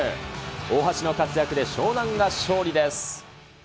大橋の活躍で湘南が勝利です。